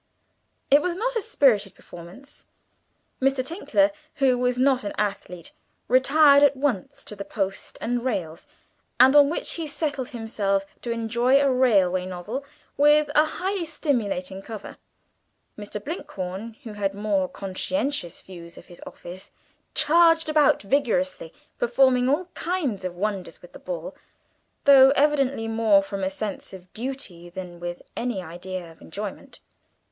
It was not a spirited performance. Mr. Tinkler, who was not an athlete, retired at once to the post and rails, on which he settled himself to enjoy a railway novel with a highly stimulating cover. Mr. Blinkhorn, who had more conscientious views of his office, charged about vigorously, performing all kinds of wonders with the ball, though evidently more from a sense of duty than with any idea of enjoyment.